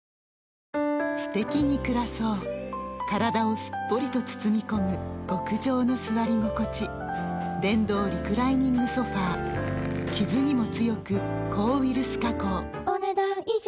すてきに暮らそう体をすっぽりと包み込む極上の座り心地電動リクライニングソファ傷にも強く抗ウイルス加工お、ねだん以上。